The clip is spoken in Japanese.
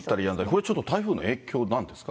これちょっと、台風の影響なんですか？